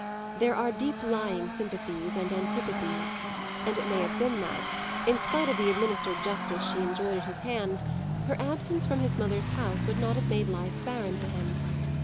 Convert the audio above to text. There are deep lying sympathies and antipathies, and it may have been that, in spite of the administered justice she enjoyed at his hands, her absence from his mother's house would not have made life barren to him.